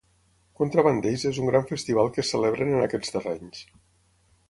Contraband Days és un gran festival que es celebren en aquests terrenys.